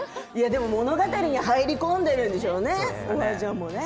物語に入り込んでいるんでしょうね、おばあちゃんも。